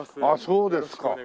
ああそうですか。